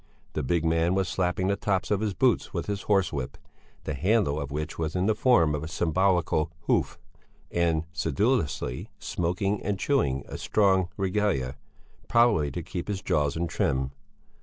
The big man was slapping the tops of his boots with his horsewhip, the handle of which was in the form of a symbolical hoof, and sedulously smoking and chewing a strong regalia, probably to keep his jaws in trim.